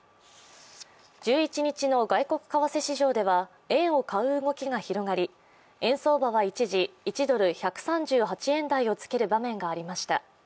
１１日の外国為替市場では円を買う動きが広がり、円相場は一時、１ドル＝１３８円台をつける場面がありました。